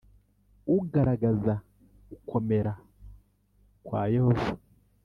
ugaragaza gukomera kwa yehova.